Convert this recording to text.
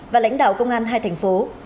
và lãnh đạo công an hai thành phố